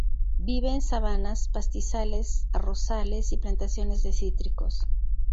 Vive en sabanas, pastizales, arrozales y plantaciones de cítricos.